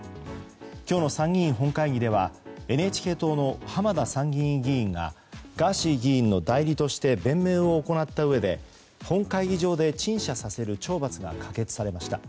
今日の参議院本会議ではＮＨＫ党の浜田参議院議員がガーシー議員の代理として弁明を行ったうえで本会議場で陳謝させる懲罰が可決されました。